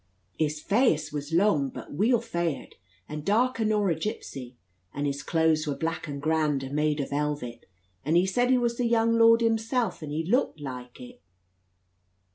"His feyace was long, but weel faured, and darker nor a gipsy; and his clothes were black and grand, and made o' velvet, and he said he was the young lord himsel'; and he lukt like it."